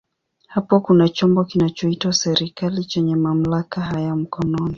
Hapo kuna chombo kinachoitwa serikali chenye mamlaka haya mkononi.